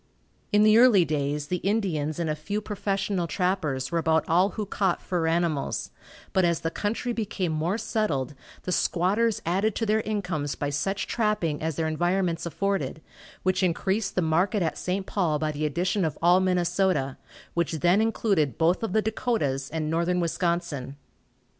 In the early days the Indians and a few professional trappers were about all who caught fur animals, but as the country became more settled the squatters added to their incomes by such trapping as their environments afforded, which increased the market at St. Paul by the addition of all Minnesota, which then included both of the Dakotas, and northern Wisconsin.